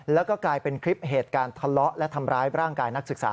แล้วก็กลายเป็นคลิปเหตุการณ์ทะเลาะและทำร้ายร่างกายนักศึกษา